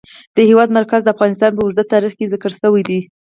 د هېواد مرکز د افغانستان په اوږده تاریخ کې ذکر شوی دی.